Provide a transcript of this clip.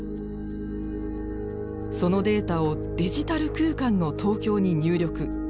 そのデータをデジタル空間の東京に入力。